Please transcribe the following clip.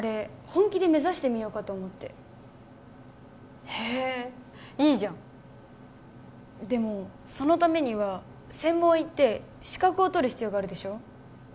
本気で目指してみようかと思ってへえいいじゃんでもそのためには専門行って資格を取る必要があるでしょ？